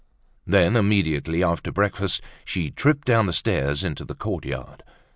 Then immediately after breakfast she tripped down the stairs into the courtyard.